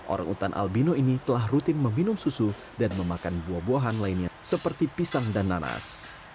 orang utan albino ini telah rutin meminum susu dan memakan buah buahan lainnya seperti pisang dan nanas